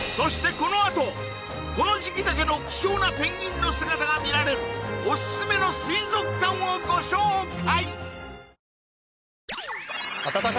このあとこの時期だけの貴重なペンギンの姿が見られるオススメの水族館をご紹介